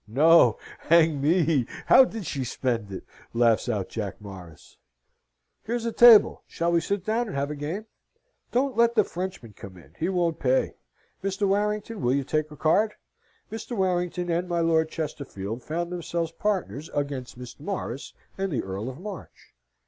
"No, hang me, how did she spend it?" laughs out Jack Morris. "Here's a table! Shall we sit down and have a game? Don't let the Frenchman come in. He won't pay. Mr. Warrington, will you take a card?" Mr. Warrington and my Lord Chesterfield found themselves partners against Mr. Morris and the Earl of March.